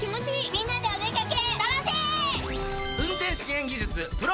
みんなでお出掛け。